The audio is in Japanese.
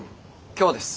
今日です。